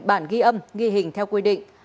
bản ghi âm ghi hình theo quy định